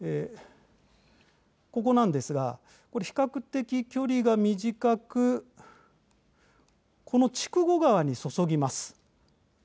ここなんですが、これ、比較的距離が短く、この筑後川にそそぎます。